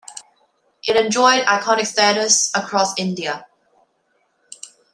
It enjoyed iconic status across India.